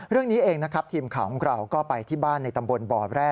เรื่องนี้เองนะครับทีมข่าวของเราก็ไปที่บ้านในตำบลบ่อแร่